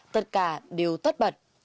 tất cả đều tất bật